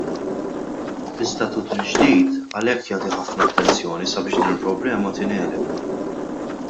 L-istatut il-ġdid għalhekk jagħti ħafna attenzjoni sabiex din il-problema tingħeleb.